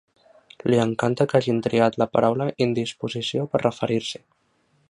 Li encanta que hagin triat la paraula indisposició per referir-s'hi.